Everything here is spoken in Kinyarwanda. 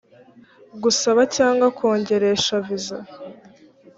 gusaba cyangwa kongeresha viza